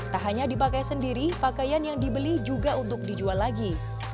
tak hanya dipakai sendiri pakaian yang dibeli juga untuk dijual lagi